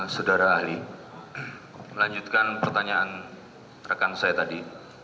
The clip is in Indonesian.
saudara ahli melanjutkan pertanyaan rekan saya tadi